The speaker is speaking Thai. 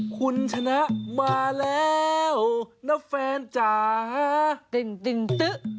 คุณชนะมาแล้วนะแฟนจ้า